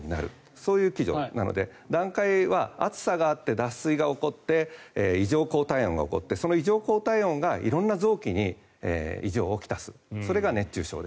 そういう機序なので段階は暑さがあって脱水が起こって異常高体温が起こってその異常高体温が色んな臓器に起こる。